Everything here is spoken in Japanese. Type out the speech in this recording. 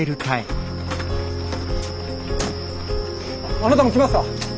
あなたも来ますか？